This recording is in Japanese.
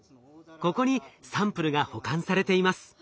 ここにサンプルが保管されています。